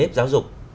nề nếp giáo dục